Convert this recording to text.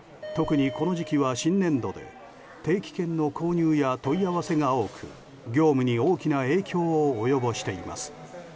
特に、この時期は新年度で定期券の購入や問い合わせが多く業務に大きな影響を及ぼしています。